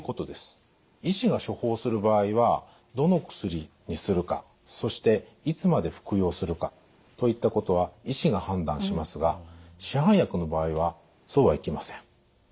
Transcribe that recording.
医師が処方する場合はどの薬にするかそしていつまで服用するかといったことは医師が判断しますが市販薬の場合はそうはいきません。